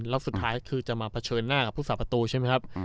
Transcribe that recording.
แล้วสุดท้ายคือจะมาเผชิญหน้ากับผู้สาประตูใช่ไหมครับ